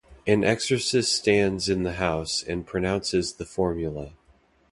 An exorcist stands in the house and pronounces the formula.